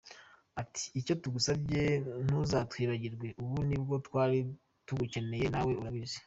Ati “Icyo tugusabye ntuzatwibagirwe, ubu nibwo twari tugukeneye na we urabizi.